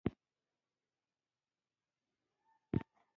شونې ده نور ایتلافونه هم منځ ته راشي.